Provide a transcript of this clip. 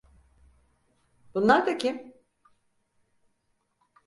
Bunlar da kim?